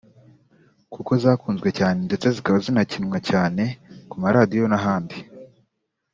kuko zakunzwe cyane ndetse zikaba zinakinwa cyane ku maradiyo n’ahandi